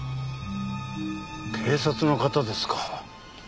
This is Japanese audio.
警察の方ですか。